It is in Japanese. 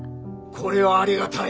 これはありがたい。